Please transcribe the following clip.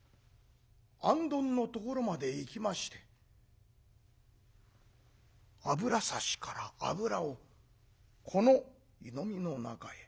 行灯のところまで行きまして油差しから油をこの湯飲みの中へ。